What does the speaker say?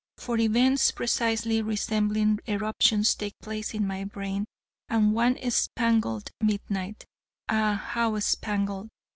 For events precisely resembling eruptions take place in my brain; and one spangled midnight ah, how spangled!